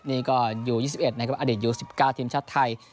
นี่ก็ยูยี่สิบเอ็ดนะครับอเด็ดยูสิบเก้าทีมชาติไทย